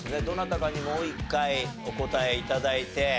どなたかにもう一回お答え頂いて。